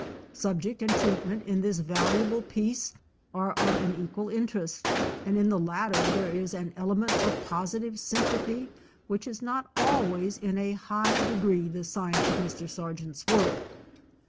Subject and treatment in this valuable piece are of an equal interest, and in the latter there is an element of positive sym pathy which is not always in a high de gree the sign of Mr. Sargent's work.